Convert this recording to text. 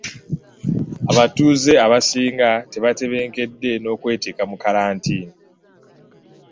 Abatuuze abasinga tebatebenkedda n'okweteeka mu kalantiini.